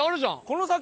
「この先」？